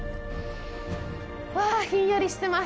うわぁ、ひんやりしてます！